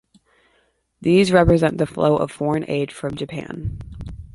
These represent the flow of foreign aid from Japan.